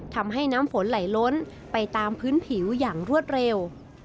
ทำให้น้ำฝนไหลล้นไปตามพื้นผิวอย่างรวดเร็ว